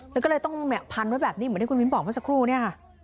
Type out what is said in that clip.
แล้วก็เลยต้องเนี่ยพันไว้แบบนี้เหมือนที่คุณมิ้นบอกเมื่อสักครู่เนี่ยค่ะ